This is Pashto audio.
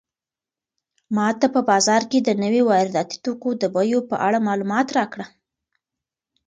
ماته په بازار کې د نويو وارداتي توکو د بیو په اړه معلومات راکړه.